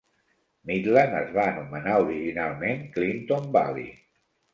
Midland es va anomenar originalment Clinton Valley.